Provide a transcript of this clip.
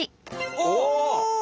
お！